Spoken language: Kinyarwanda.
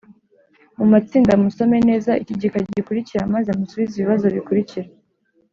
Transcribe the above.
mu matsinda musome neza iki gika gikurikira maze musubize ibibazo bikurikira: